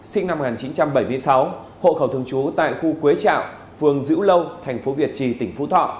sinh năm một nghìn chín trăm bảy mươi sáu hộ khẩu thường trú tại khu quế trạm phường dữ lâu thành phố việt trì tỉnh phú thọ